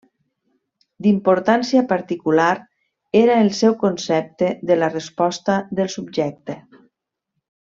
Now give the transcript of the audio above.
D'importància particular era el seu concepte de la resposta del subjecte.